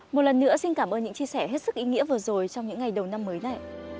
một lần nữa xin cảm ơn những chia sẻ hết sức ý nghĩa vừa rồi trong những ngày đầu năm mới này